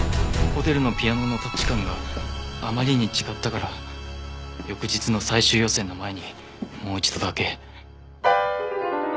ホテルのピアノのタッチ感があまりに違ったから翌日の最終予選の前にもう一度だけ。